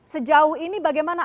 sejauh ini bagaimana